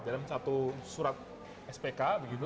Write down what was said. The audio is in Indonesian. dalam satu surat spk